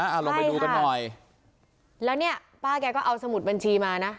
เอาลงไปดูกันหน่อยแล้วเนี่ยป้าแกก็เอาสมุดบัญชีมานะ